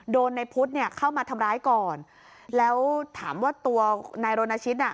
ในพุทธเนี่ยเข้ามาทำร้ายก่อนแล้วถามว่าตัวนายรณชิตอ่ะ